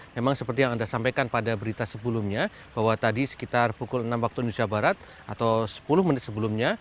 memang seperti yang anda sampaikan pada berita sebelumnya bahwa tadi sekitar pukul enam waktu indonesia barat atau sepuluh menit sebelumnya